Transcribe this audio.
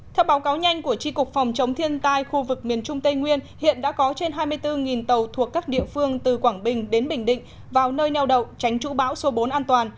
theo báo cáo nhanh của tri cục phòng chống thiên tai khu vực miền trung tây nguyên hiện đã có trên hai mươi bốn tàu thuộc các địa phương từ quảng bình đến bình định vào nơi neo đậu tránh trú bão số bốn an toàn